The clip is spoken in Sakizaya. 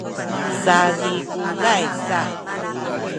sazikuzay sa